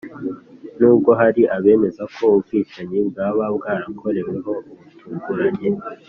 nubwo hari abemeza ko ubwicanyi bwaba bwarakoreweho butunguranye.